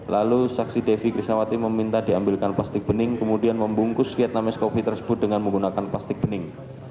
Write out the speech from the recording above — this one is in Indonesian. lalu saksi devi krisnawati meminta diambilkan plastik bening kemudian membungkus vietnamese coffee tersebut dengan menggunakan plastik bening